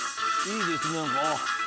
いいですね何か。